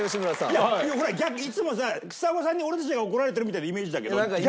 いやいつもさちさ子さんに俺たちが怒られてるみたいなイメージだけど。